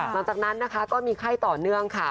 หลังจากนั้นก็มีไข้ต่อเนื่อง